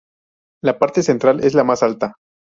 La parte central es la más alta.